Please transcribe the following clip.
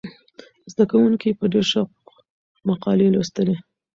زده کوونکي په ډېر شوق مقالې لوستلې.